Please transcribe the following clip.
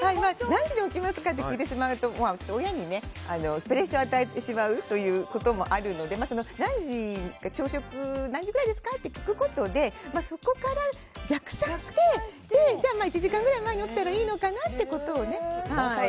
何時の起きますかと聞いてしまうと親にプレッシャーを与えてしまうこともあるので朝食何時ぐらいですかと聞くことでそこから、逆算して１時間くらい前に起きたらまさにやん、颯太君。